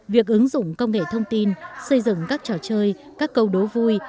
việc ứng dụng công nghệ thông tin xây dựng các trò chơi các câu đố vui